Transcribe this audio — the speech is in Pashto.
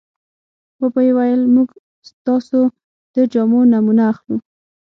وبه یې ویل موږ ستاسو د جامو نمونه اخلو.